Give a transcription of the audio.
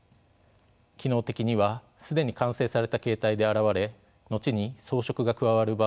機能的には既に完成された形態で現れ後に装飾が加わる場合がほとんどです。